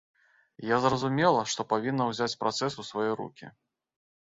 Я зразумела, што павінна ўзяць працэс у свае рукі.